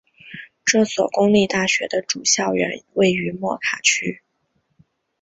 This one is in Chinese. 这所公立大学的主校园位于莫卡区。